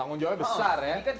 tanggung jawabnya besar ya